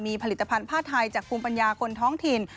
มีผลิตภัณฑ์ผ้าไทยจากภูมิปัญญาคนท้องถิ่น